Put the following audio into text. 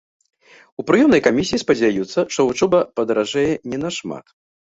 У прыёмнай камісіі спадзяюцца, што вучоба падаражэе не нашмат.